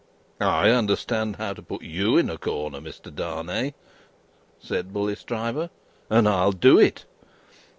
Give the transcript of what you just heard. "I understand how to put you in a corner, Mr. Darnay," said Bully Stryver, "and I'll do it.